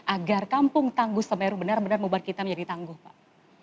agar kampung tangguh semeru benar benar membuat kita menjadi tangguh pak